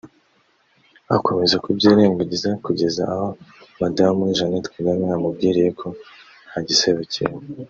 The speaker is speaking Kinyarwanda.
akomeza kubyirengagiza kugeza aho madamu we Jeanette Kagame amubwiriye ko nta gisebo kirimo